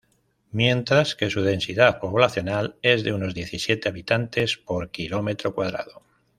Mientras que su densidad poblacional es de unos diecisiete habitantes por cada kilómetro cuadrado.